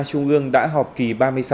trung ương đã họp kỳ ba mươi sáu